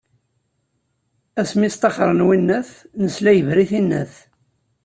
Asmi i sṭaxren winnat, nesla yebra i tinnat.